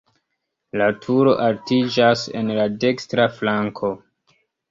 La turo altiĝas en la dekstra flanko.